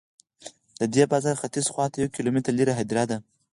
د دې بازار ختیځ خواته یو کیلومتر لرې هدیره ده.